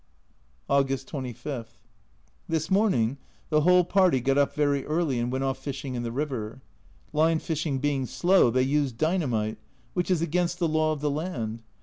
August 25. This morning the whole party got up very early and went off fishing in the river. Line fishing being slow, they used dynamite, which is against the law of the land.